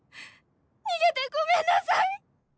逃げてごめんなさい！